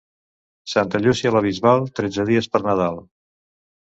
Santa Llúcia la bisbal, tretze dies per Nadal.